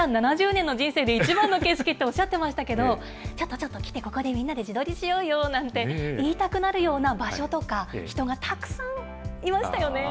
７０年の人生で一番の景色とおっしゃってましたけど、ちょっとちょっと来て、ここでみんなで自撮りしようよなんて言いたくなるような場所とか、人がたくさんいましたよね。